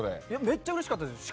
めっちゃうれしかったです。